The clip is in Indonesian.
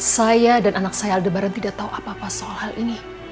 saya dan anak saya aldebaran tidak tau apa apa soal hal ini